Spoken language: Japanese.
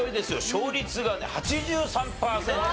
勝率が８３パーセント。